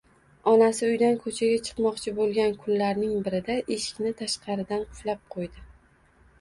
Onasi uydan ko`chaga chiqmoqchi bo`lgan kunlarning birida eshikni tashqaridan qulflab qo`ydi